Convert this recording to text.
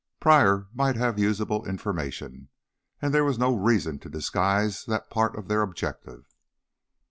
Pryor might have usable information, and there was no reason to disguise that part of their objective.